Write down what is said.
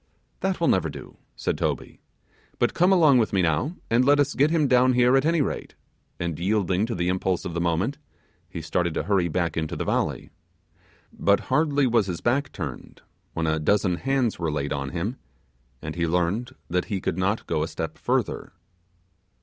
'That will never do,' said Toby, 'but come along with me now, and let us get him down here at any rate,' and yielding to the impulse of the moment, he started to hurry back into the valley. But hardly was his back turned, when a dozen hands were laid on him, and he learned that he could not go a step further.